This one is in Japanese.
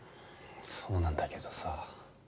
そうなんだけどさ。